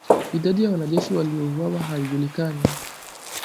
Idadi ya wanajeshi waliouawa haijajulikana